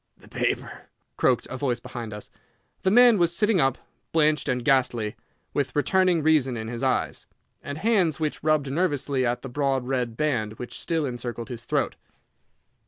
"The paper!" croaked a voice behind us. The man was sitting up, blanched and ghastly, with returning reason in his eyes, and hands which rubbed nervously at the broad red band which still encircled his throat.